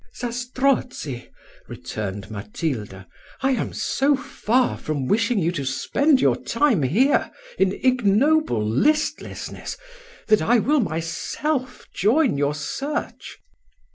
"Zastrozzi," returned Matilda, "I am so far from wishing you to spend your time here in ignoble listlessness, that I will myself join your search.